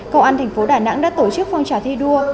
công an thành phố đà nẵng đã tổ chức phong trào thi đua